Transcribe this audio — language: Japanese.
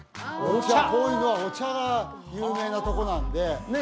こういうのはお茶が有名なとこなんでねえ